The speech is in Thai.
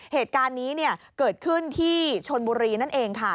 เหตุการณ์นี้เนี่ยเกิดขึ้นที่ชนบุรีนั่นเองค่ะ